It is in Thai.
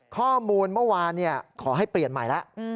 ข้อมูลเมื่อวานขอให้เปลี่ยนใหม่แล้ว